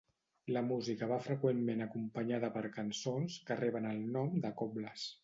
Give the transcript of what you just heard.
La música va freqüentment acompanyada per cançons que reben el nom de cobles.